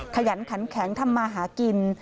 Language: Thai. ขยันขันแข็งทำมาหากิน